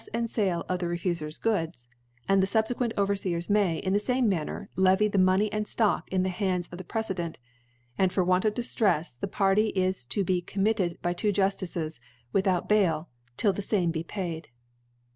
and Sale of the Refufers Goods; and the fubfc quent Overfeers may, in the fame manner, kvy the Money and Stock in the Hands of the Precedent : And for Want of Diftrcls, the Party is to be committed by two Juf tices, without Bail, till the fame be paid.